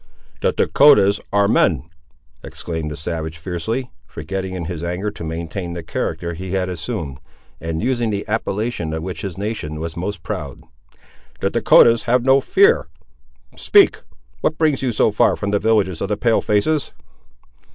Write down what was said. "The Dahcotahs are men!" exclaimed the savage, fiercely; forgetting in his anger to maintain the character he had assumed, and using the appellation of which his nation was most proud; "the Dahcotahs have no fear! Speak; what brings you so far from the villages of the pale faces?"